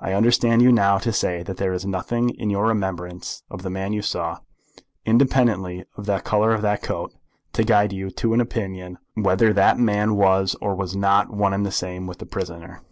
I understand you now to say that there is nothing in your remembrance of the man you saw, independently of the colour of the coat, to guide you to an opinion whether that man was or was not one and the same with the prisoner?"